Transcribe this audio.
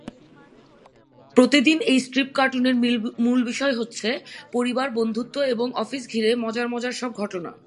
প্রতিদিনের এই স্ট্রিপ কার্টুনের মূল বিষয় হচ্ছে পরিবার, বন্ধুত্ব এবং অফিস ঘিরে মজার মজার সব ঘটনা।